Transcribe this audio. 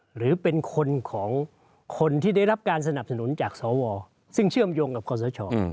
หรือเป็นคนของคนที่ได้รับการสนับสนุนจากสวซึ่งเชื่อมโยงกับคอสช